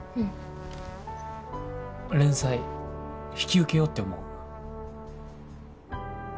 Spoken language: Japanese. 連載引き受けようって思う。